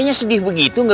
oh ya saya permisi ya